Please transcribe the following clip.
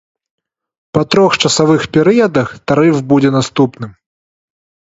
Па трох часавых перыядах тарыф будзе наступным.